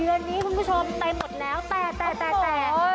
เดือนนี้คุณผู้ชมไปหมดแล้วแต่